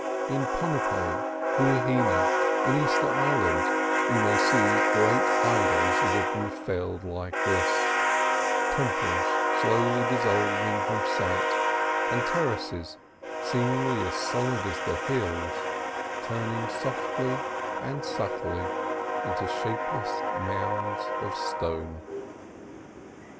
In Ponape, Huahine, in Easter Island, you may see great idols that have been felled like this, temples slowly dissolving from sight, and terraces, seemingly as solid as the hills, turning softly and subtly into shapeless mounds of stone.